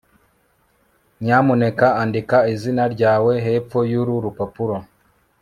nyamuneka andika izina ryawe hepfo yuru rupapuro